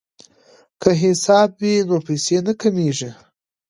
که حساب وي نو پیسې نه کمیږي.